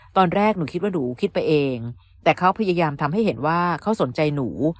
ตอนแรกหนูคิดว่าหนูคิดไปเองแต่เขาพยายามทำให้เห็นว่าเขาสนใจหนู